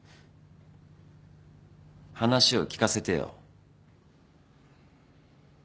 話を聞かせてよ。